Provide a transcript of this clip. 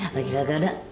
lagi gak ada